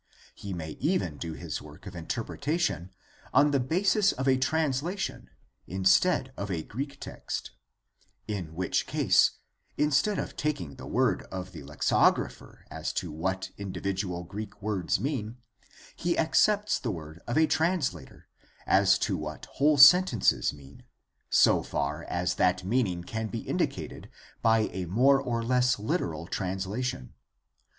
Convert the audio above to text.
He may even do his work of inter pretation on the basis of a translation instead of a Greek text, in which case, instead of taking the word of the lexicog rapher as to what individual Greek words mean, he accepts the word of a translator as to what whole sentences mean, so far as that meaning can be indicated by a more or less literal translation.